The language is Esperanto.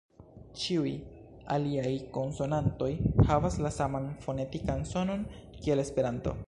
Ĉiuj aliaj konsonantoj havas la saman fonetikan sonon kiel Esperanto